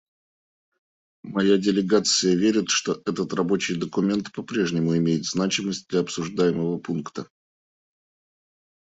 Моя делегация верит, что этот рабочий документ по-прежнему имеет значимость для обсуждаемого пункта.